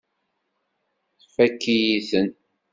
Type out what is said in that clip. Tfakk-iyi-ten.